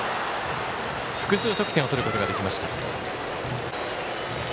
複数得点を取ることができました。